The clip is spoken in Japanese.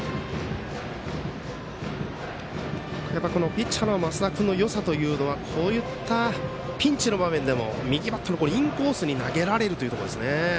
ピッチャーの升田君のよさというのはこういったピンチの場面でも右バッターのインコースに投げられるというところですね。